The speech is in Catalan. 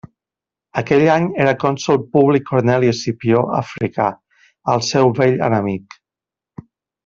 Aquell any era cònsol Publi Corneli Escipió Africà, el seu vell enemic.